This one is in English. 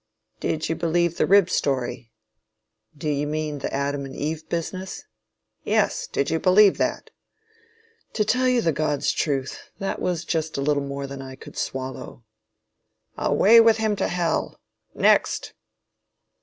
Did you believe the rib story? Do you mean the Adam and Eve business? Yes! Did you believe that? To tell you the God's truth, that was just a little more than I could swallow. Away with him to hell! Next!